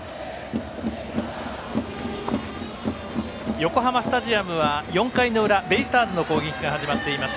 横浜スタジアムは４回の裏ベイスターズの攻撃が始まっています。